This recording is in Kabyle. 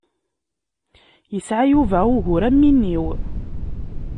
Yesɛa Yuba ugur am win-iw.